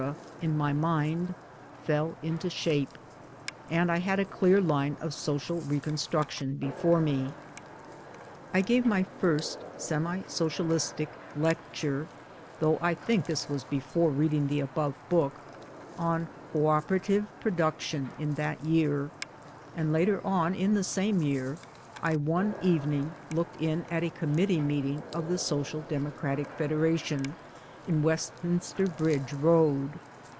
in my mind fell into shape and, I had a clear line of social reconstruction before me. I gave my first semi socialistic lecture (though I MANUAL WORK 115 think this was before reading the above book) on " Co operative Production " in that year ; and later on in the same year I one evening looked in at a committee meeting of the Social Democratic Federa tion in Westminster Bridge Road.